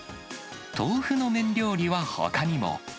豆腐の麺料理はほかにも。